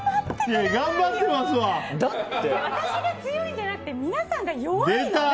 私が強いんじゃなくて皆さんが弱いんです。